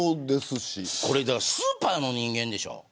これ、スーパーの人間でしょ。